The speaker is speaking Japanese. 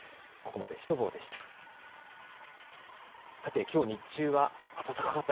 ここまでシュトボーでした。